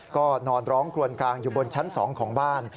ก็นอนร้องคลวนกลางอยู่บนชั้น๒ของบ้าน